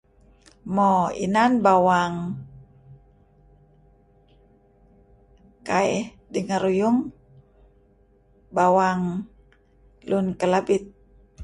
Mo, inan bawang... kaih dengeruyung, bawang lun Kelabit...